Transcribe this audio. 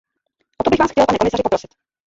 O to bych vás chtěl, pane komisaři, poprosit.